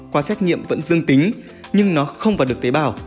qua xét nghiệm vẫn dương tính nhưng nó không vào được tế bào